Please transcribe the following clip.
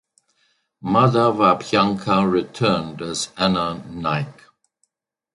Madhav Abhyankar returned as Anna Naik.